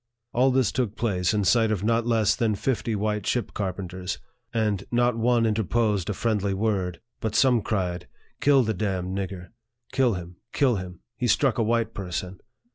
All this took place in sight of not less than fifty white ship carpenters, and not one interposed a friendly word ; but some cried, " Kill the damned nigger ! Kill him ! kill him ! He struck a white person."